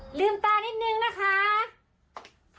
เฮ่ยลืมตานิดหนึ่งนะคะ